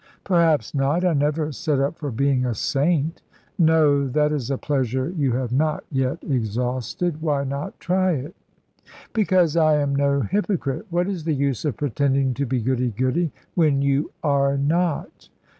"Perhaps not. I never set up for being a saint." "No. That is a pleasure you have not yet exhausted. Why not try it?" "Because I am no hypocrite. What is the use of pretending to be goody goody, when you are not?"